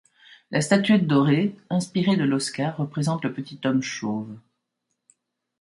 La statuette dorée, inspirée de l'Oscar, représente le petit homme chauve.